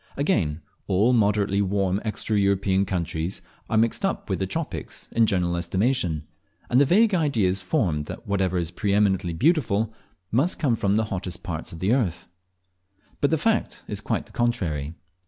Again, all moderately warm extra European countries are mixed up with the tropics in general estimation, and a vague idea is formed that whatever is preeminently beautiful must come from the hottest parts of the earth. But the fact is quite the contrary.